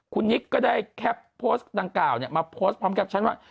คุณนิกก็ได้แคปโพสต์ดังกล่าวมาโพสต์พร้อมแคปชั่นว่า